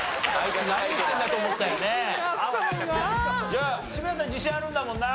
じゃあ渋谷さん自信あるんだもんな。